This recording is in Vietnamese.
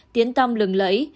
tiến tâm lừng lẫy